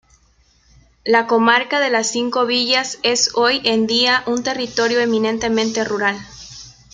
La comarca de las Cinco Villas es hoy en día un territorio eminentemente rural.